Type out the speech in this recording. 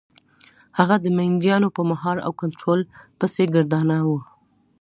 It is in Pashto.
هغه د مینډیانو په مهار او کنټرول پسې سرګردانه و.